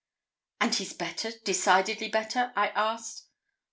'And he's better decidedly better?' I asked.